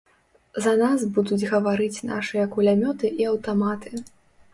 За нас будуць гаварыць нашыя кулямёты і аўтаматы.